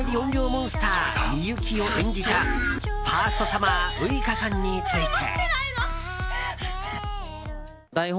モンスター美雪を演じたファーストサマーウイカさんについて。